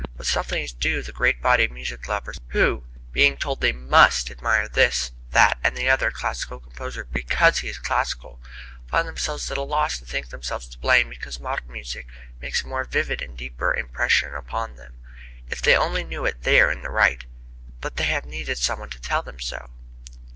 But something is due the great body of music lovers who, being told that they must admire this, that and the other classical composer, because he is classical, find themselves at a loss and think themselves to blame because modern music makes a more vivid and deeper impression upon them. If they only knew it they are in the right! But they have needed some one to tell them so.